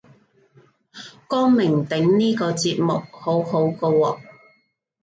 光明頂呢個節目好好個喎